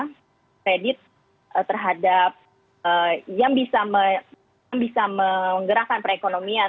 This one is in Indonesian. bisa kredit terhadap yang bisa menggerakkan perekonomian